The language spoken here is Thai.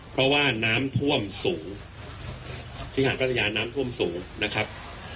เพราะว่าน้ำท่วมสูงที่หาดพัทยาน้ำท่วมสูงนะครับ